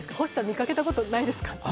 星さん、見かけたことないですか？